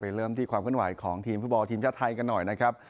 เริ่มที่ความขึ้นไหวของทีมฟุตบอลทีมชาติไทยกันหน่อยนะครับ